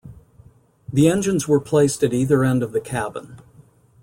The engines were placed at either end of the cabin.